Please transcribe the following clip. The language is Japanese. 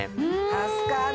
助かる！